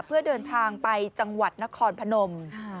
เพื่อเดินทางไปจังหวัดนครพนม